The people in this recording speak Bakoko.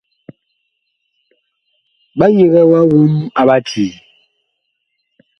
Ɓa yigɛ ma woŋ a Ɓacii.